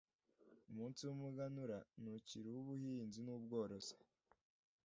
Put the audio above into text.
Umunsi w’umuganura ntukiri uw’ubuhinzi n’ubworozi